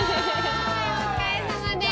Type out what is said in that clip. お疲れさまです。